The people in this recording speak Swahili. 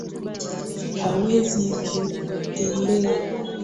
Hawezi kutembea